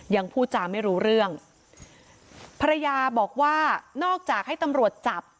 พูดจาไม่รู้เรื่องภรรยาบอกว่านอกจากให้ตำรวจจับ